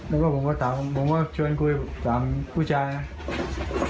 แล้วก็ผมก็ชวนคุยกับ๓ผู้ชายนะ